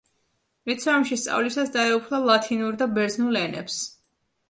ლიცეუმში სწავლისას დაეუფლა ლათინურ და ბერძნულ ენებს.